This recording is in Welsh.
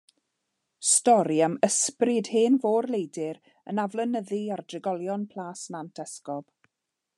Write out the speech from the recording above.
Stori am ysbryd hen fôr-leidr yn aflonyddu ar drigolion Plas Nant Esgob.